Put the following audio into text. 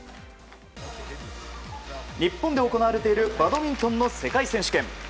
日本で行われているバドミントンの世界選手権。